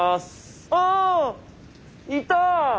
あいた！